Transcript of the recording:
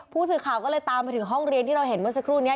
ผู้สื่อข่าวก็เลยตามไปถึงห้องเรียนที่เราเห็นเมื่อสักครู่นี้